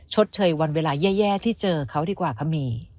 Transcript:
ชดเชยวันเวลาแย่ที่เจอเขาดีกว่าก็มี